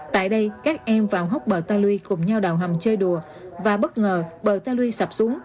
tại đây các em vào hốc bờ ta luy cùng nhau đào hầm chơi đùa và bất ngờ bờ ta lui sập xuống